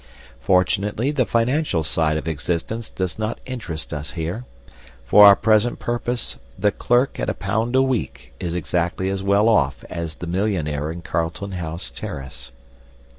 Fortunately the financial side of existence does not interest us here; for our present purpose the clerk at a pound a week is exactly as well off as the millionaire in Carlton House terrace.